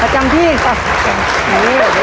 อาจารย์พี่